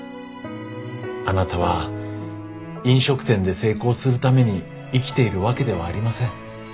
あなたは飲食店で成功するために生きているわけではありません。